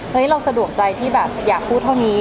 เฮ้ยเราสะดวกใจที่อยากพูดเท่านี้